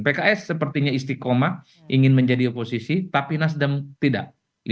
pks sepertinya istiqomah ingin menjadi oposisi tapi nasdem tidak